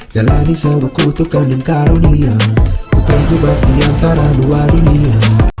jalani sewaku tukang dan karunia ku terjebak di antara dua dunia